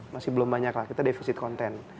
masih belum banyak lah kita defisit konten